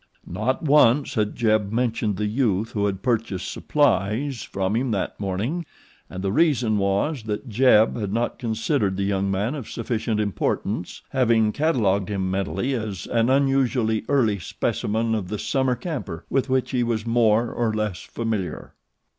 Not once had Jeb mentioned the youth who had purchased supplies from him that morning, and the reason was that Jeb had not considered the young man of sufficient importance, having cataloged him mentally as an unusually early specimen of the summer camper with which he was more or less familiar.